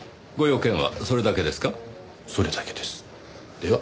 では。